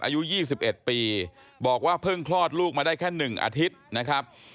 อายุ๒๑ปีบอกว่าเพิ่งคลอดลูกมาได้แค่๑อาทิตย์นะครับ